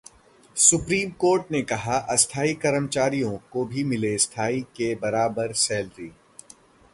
supreme court ने कहा- अस्थाई कर्मचरियों को भी मिले स्थाई के बराबर सैलरी